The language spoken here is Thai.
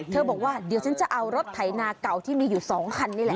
บอกว่าเดี๋ยวฉันจะเอารถไถนาเก่าที่มีอยู่๒คันนี่แหละ